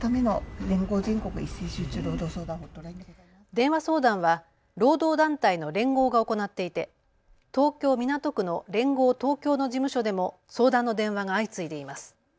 電話相談は労働団体の連合が行っていて東京港区の連合東京の事務所でも相談の電話が相次いでいます。